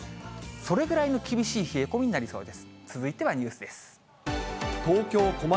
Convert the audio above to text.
それぐらいの厳しい冷え込みになりそうです。